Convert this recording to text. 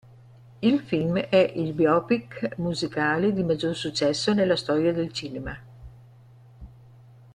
Il film è il biopic musicale di maggior successo nella storia del cinema.